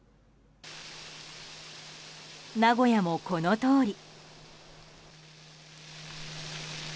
名古屋も、このとおり。